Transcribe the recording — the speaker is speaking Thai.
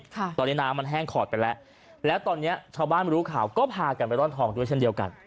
ตอนนี้น้ำมันแห้งขอดไปแล้วแล้วตอนเนี้ยชาวบ้านรู้ข่าวก็พากันไปร่อนทองด้วยเช่นเดียวกัน